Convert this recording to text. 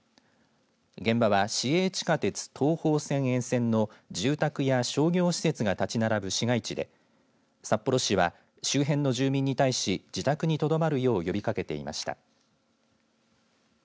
現場は市営地下鉄東豊線沿線の住宅や商業施設が建ち並ぶ市街地で札幌市は、周辺の住民に対し自宅にとどまるよう呼びかけていました。